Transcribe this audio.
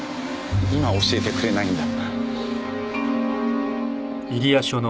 今教えてくれないんだ。